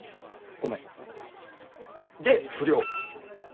ごめん。で不良。